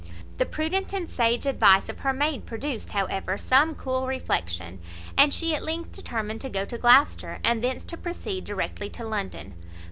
The prudent and sage advice of her maid produced, however, some cool reflection; and she at length determined to go to Gloucester, and thence to proceed directly to London.